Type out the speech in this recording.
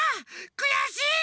くやしい！